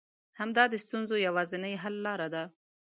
همدا د ستونزو يوازنۍ حل لاره ده.